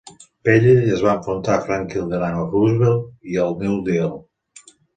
Pelley es va enfrontar a Franklin Delano Roosevelt i al New Deal.